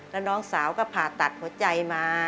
แล้วน้องสาวก็ผ่าตัดหัวใจมา